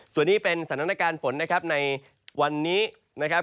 ส่วนนี้เป็นสถานการณ์ฝนนะครับในวันนี้นะครับ